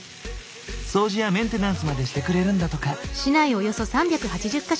掃除やメンテナンスまでしてくれるんだとか。